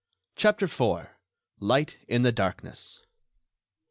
CHAPTER IV. LIGHT IN THE DARKNESS.